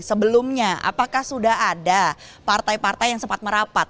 sebelumnya apakah sudah ada partai partai yang sempat merapat